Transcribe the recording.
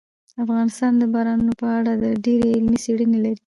افغانستان د بارانونو په اړه ډېرې علمي څېړنې لري.